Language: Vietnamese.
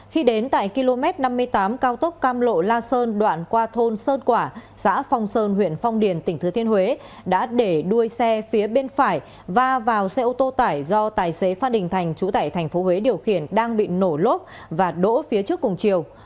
khi đến tại km năm mươi tám cao tốc cam lộ la sơn đoạn qua thôn sơn quả xã phong sơn huyện phong điền tỉnh thứ thiên huế đã để đuôi xe phía bên phải và vào xe ô tô tải do tài xế phan đình thành chủ tải tp huế điều khiển đang bị nổ lốp và đỗ phía trước cùng chiều